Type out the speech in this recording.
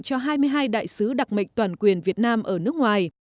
cho hai mươi hai đại sứ đặc mệnh toàn quyền việt nam ở nước ngoài